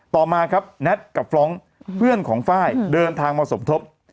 ต่อมาครับแน็ตกับฟรองก์เพื่อนของไฟล์เดินทางมาสมทบ